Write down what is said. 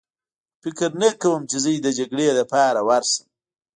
خو فکر نه کوم چې زه دې د جګړې لپاره ورشم.